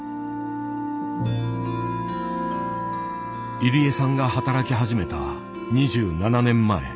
入江さんが働き始めた２７年前。